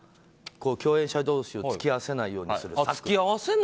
共演者同士を付き合わせないようにする策。